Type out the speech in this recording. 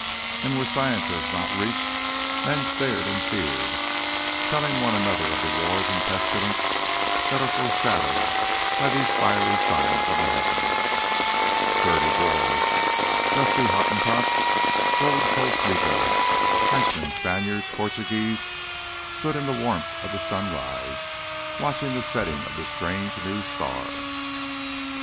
And where science has not reached, men stared and feared, telling one another of the wars and pestilences that are foreshadowed by these fiery signs in the Heavens. Sturdy Boers, dusky Hottentots, Gold Coast negroes, Frenchmen, Spaniards, Portuguese, stood in the warmth of the sunrise watching the setting of this strange new star.